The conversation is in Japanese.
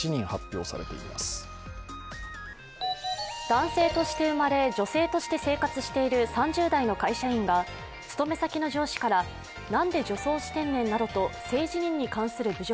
男性として生まれ女性として生活している３０代の会社員が勤め先の上司からなんで女装してんねんなどと性自認に関する侮辱、ＳＯＧＩ